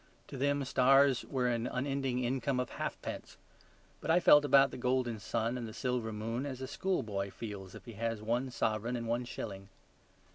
To them stars were an unending income of halfpence; but I felt about the golden sun and the silver moon as a schoolboy feels if he has one sovereign and one shilling.